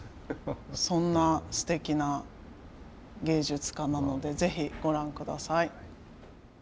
そんなすてきな芸術家なのでぜひご覧下さい。